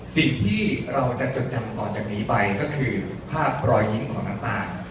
สิ่งที่เราจะจดจำต่อจากนี้ไปก็คือภาพรอยยิ้มของน้ำตาล